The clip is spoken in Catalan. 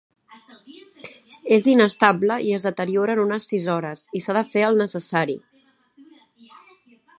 És inestable i es deteriora en unes sis hores, i s'ha de fer el necessari.